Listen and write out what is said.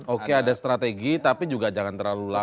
oke ada strategi tapi juga jangan terlalu lama